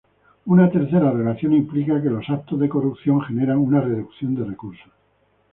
Una tercera relación implica que, los actos de corrupción generan una reducción de recursos.